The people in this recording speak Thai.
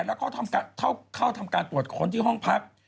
แล้วก็เข้าทำการตรวจค้นที่ห้องพัก